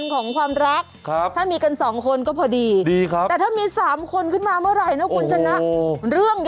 ก็ใช่ไงก็ถามคุณเลย